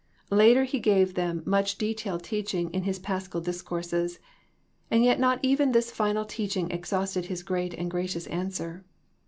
Later He gave them much detailed teaching in His paschal discourses, and yet not even this final teaching exhausted His great and gracious answer.